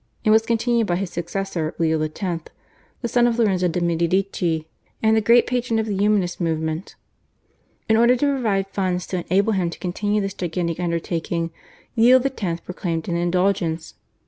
and was continued by his successor Leo X., the son of Lorenzo de' Medici, and the great patron of the Humanist movement. In order to provide funds to enable him to continue this gigantic undertaking Leo X. proclaimed an Indulgence.